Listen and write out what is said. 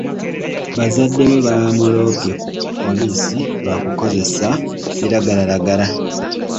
Bazadde be baamuloopye ku poliisi lwa kukozesa biragalalagala.